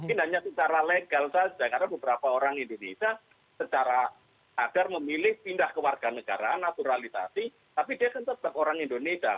ini hanya secara legal saja karena beberapa orang indonesia secara agar memilih pindah ke warga negara naturalisasi tapi dia kan tetap orang indonesia